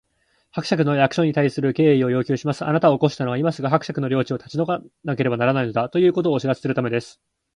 「伯爵の役所に対する敬意を要求します！あなたを起こしたのは、今すぐ伯爵の領地を立ち退かなければならないのだ、ということをお知らせするためです」